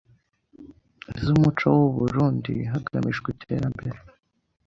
z’umuco w’u Burunndi hegemijwe iterembere